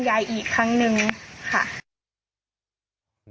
จัดกระบวนพร้อมกัน